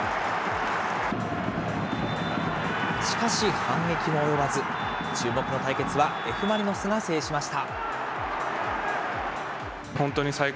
しかし反撃も及ばず、注目の対決はＦ・マリノスが制しました。